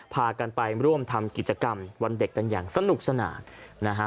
พากันไปร่วมทำกิจกรรมวันเด็กกันอย่างสนุกสนานนะฮะ